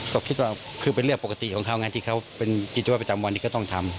ก็คิดว่าคือเป็นเรื่องปกติของเขาไงที่เขาเป็นกิจวัตประจำวันนี้ก็ต้องทำ